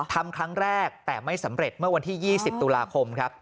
ทำครั้งแรกแต่ไม่สำเร็จเมื่อวันที่๒๐ตุลาคมครับ